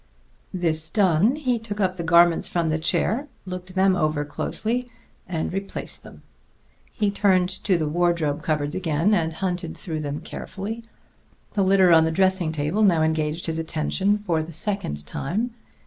This done, he took up the garments from the chair, looked them over closely and replaced them. He turned to the wardrobe cupboards again, and hunted through them carefully. The litter on the dressing table now engaged his attention for the second time.